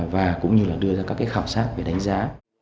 và cũng như là đưa ra các cái khảo sát về đánh giá